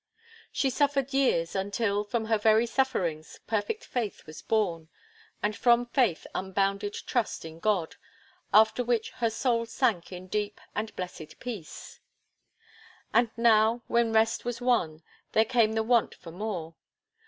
She suffered years, until, from her very sufferings, perfect faith was born, and from faith unbounded trust in God, after which her soul sank in deep and blessed peace. And now, when rest was won, there came the want for more.